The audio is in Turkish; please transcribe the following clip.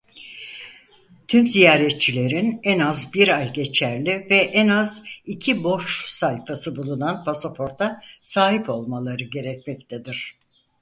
Tüm ziyaretçilerin en az bir ay geçerli ve en az iki boş sayfası bulunan pasaporta sahip olmaları gerekmektedir.